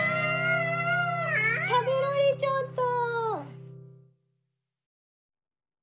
たべられちゃった。